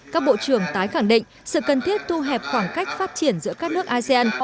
các bộ trưởng tái khẳng định sự cần thiết thu hẹp khoảng cách phát triển giữa các nước asean